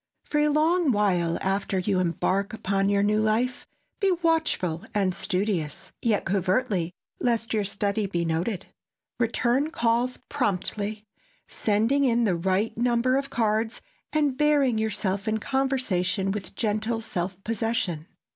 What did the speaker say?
For a long while after you embark upon your new life, be watchful and studious—yet covertly, lest your study be noted. Return calls promptly, sending in the right number of cards, and bearing yourself in conversation with gentle self possession.